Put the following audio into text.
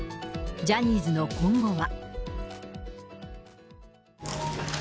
ジャニーズの今後は。